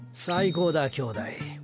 最高だ兄弟。